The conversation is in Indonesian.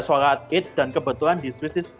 suara adid dan kebetulan di swiss